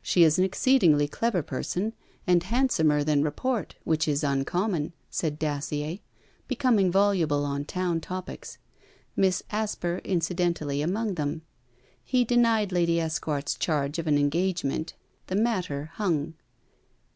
'She is an exceedingly clever person, and handsomer than report, which is uncommon,' said Dacier, becoming voluble on town topics, Miss Asper incidentally among them. He denied Lady Esquart's charge of an engagement; the matter hung.